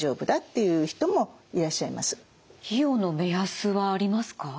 費用の目安はありますか？